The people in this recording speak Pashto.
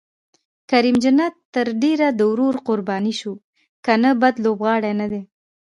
کریم جنت تر ډېره د ورور قرباني شو، که نه بد لوبغاړی نه دی.